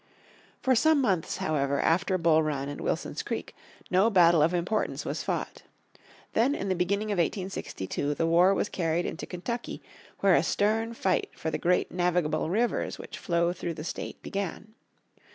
For some months, however, after Bull Run and Wilson's Creek no battle of importance was fought. Then in the beginning of 1862 the war was carried into Kentucky where a stern fight for the great navigable rivers which flow through the state began.